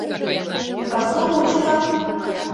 Пасу мучко